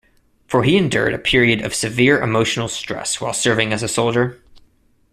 For he endured a period of severe emotional stress while serving as a soldier.